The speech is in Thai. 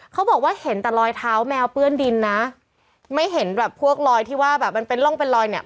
เขาบอกว่าเห็นแต่รอยเท้าแมวเปื้อนดินนะไม่เห็นแบบพวกรอยที่ว่าแบบมันเป็นร่องเป็นรอยเนี่ย